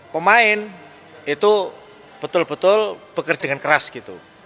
pemain itu betul betul bekerja dengan keras gitu